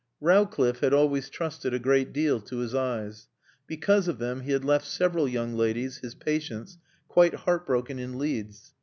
Rowcliffe had always trusted a great deal to his eyes. Because of them he had left several young ladies, his patients, quite heart broken in Leeds.